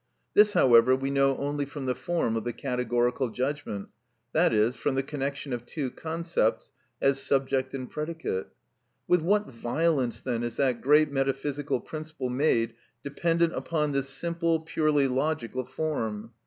This, however, we know only from the form of the categorical judgment, i.e., from the connection of two concepts as subject and predicate. With what violence then is that great metaphysical principle made dependent upon this simple, purely logical form!